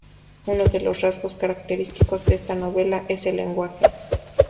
Uno de los rasgos característicos de esta novela es el lenguaje.